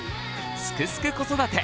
「すくすく子育て」